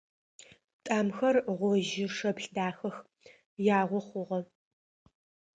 Тӏамхэр гъожьы-шэплъ дахэх, ягъо хъугъэ.